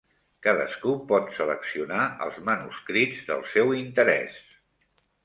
Cadascú pot seleccionar els manuscrits del seu interès.